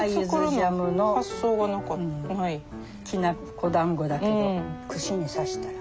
きな粉だんごだけど串に刺したら。